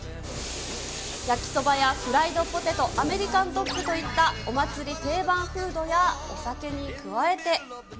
焼きそばやフライドポテト、アメリカンドッグといったお祭り定番フードや、お酒に加えて。